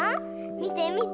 みてみて！